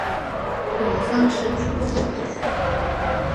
罗烽是初中毕业。